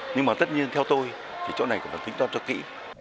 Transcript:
nhưng mà tất nhiên theo tôi thì chỗ này cũng phải tính toán cho kỹ